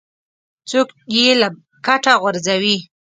څوک یې له کټه غورځوي.